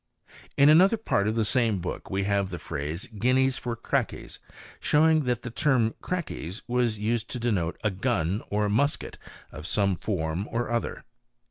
In another part of the same book we have the phrase gynnys for crakys, showing that the term crakys was used to denote a gun or musket of some form or other.